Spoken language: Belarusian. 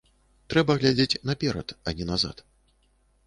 Трэба глядзець наперад, а не назад.